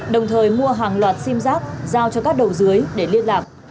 đồng thời mua hàng loạt sim rác giao cho các đầu dưới để liên lạc